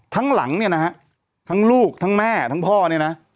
หลังเนี่ยนะฮะทั้งลูกทั้งแม่ทั้งพ่อเนี่ยนะ